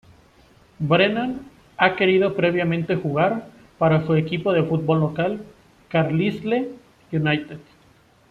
Brennan ha querido previamente jugar para su equipo de fútbol local Carlisle United.